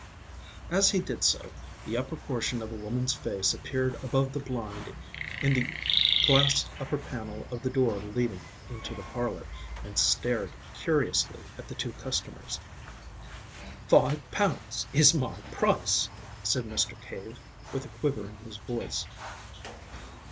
As he did so, the upper portion of a woman's face appeared above the blind in the glass upper panel of the door leading into the parlour, and stared curiously at the two customers. "Five pounds is my price," said Mr. Cave, with a quiver in his voice.